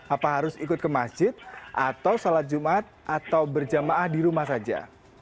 apa harus ikut ke masjid atau salat jumat atau berjamaah di rumah saja